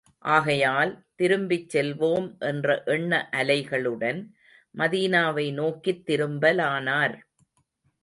ஆகையால், திரும்பிச் செல்வோம் என்ற எண்ண அலைகளுடன், மதீனாவை நோக்கித் திரும்பலானார்.